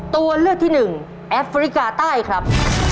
ตัวเลือกที่หนึ่งแอฟริกาใต้ครับ